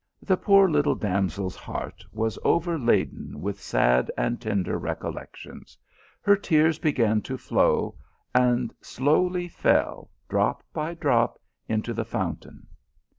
The poor little damsel s heart was over laden with sad and tender recollections, her tears began to flow, and slowly fell, drop by drop, into the fountain.